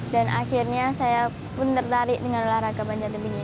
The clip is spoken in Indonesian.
dan akhirnya saya pun tertarik dengan olahraga panjat tebing ini